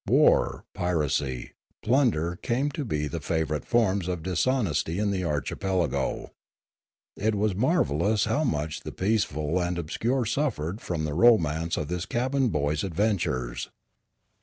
War, piracy, plunder came to be the favourite forms of dishonesty in the archipelago. It was marvellous how much the peaceful and obscure suffered from the romance of this cabin boy's adventures.